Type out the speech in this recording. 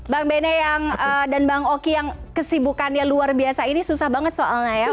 bang benny dan bang oki yang kesibukannya luar biasa ini susah banget soalnya ya